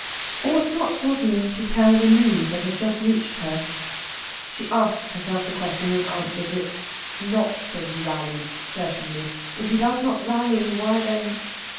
Ought not Rosalind to tell the news that has just reached her? She asks herself the question, and answers it: "Not till he rallies, certainly. If he does not rally, why then